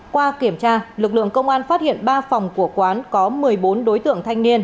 qua kiểm tra lực lượng công an phát hiện ba phòng của quán có một mươi bốn đối tượng thanh niên